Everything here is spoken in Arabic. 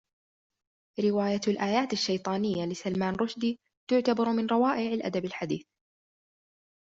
رواية " الآيات الشيطانية " لسلمان رشدي تُعتبر من روائع الأدب الحديث.